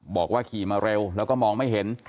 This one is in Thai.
บอกว่าขี่มาเร็วแล้วก็มองไม่เห็น